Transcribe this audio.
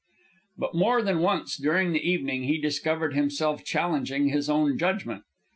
But more than once during the evening he discovered himself challenging his own judgment.